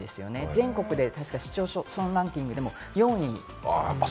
全国で市町村ランキングでも４位。